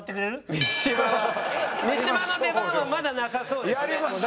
三島は三島の出番はまだなさそうですね。